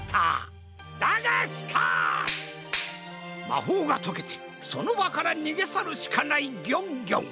まほうがとけてそのばからにげさるしかないギョンギョン！